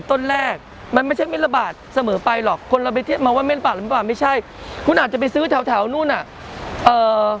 ต้นแรกมันไม่ใช่มีระบาทเสมอไปหรอกคนเราไปเทียบบ้างไม่บางไม่ใช่นะอาจจะไปซื้อแถวดูหน่ะเอ่อ